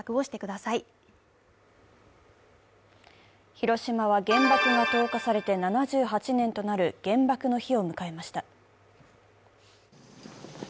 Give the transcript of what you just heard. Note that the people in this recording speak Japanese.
広島は原爆が投下されて７８年となる原爆の日を迎えました。